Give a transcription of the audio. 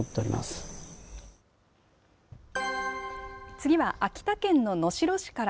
次は秋田県の能代市から。